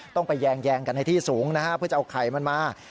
ต้องไปแยงกันในที่สูงนะฮะเพื่อจะเอาไข่มันมา